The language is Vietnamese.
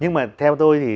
nhưng mà theo tôi thì